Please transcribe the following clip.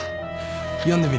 読んでみる